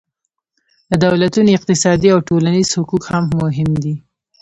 د دولتونو اقتصادي او ټولنیز حقوق هم مهم دي